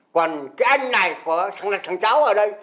còn cái anh này thằng cháu ở đây